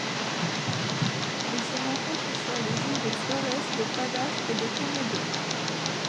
Elle se rencontre sur les îles de Florès, de Padar et de Komodo.